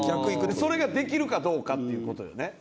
それができるかどうかっていう事よね。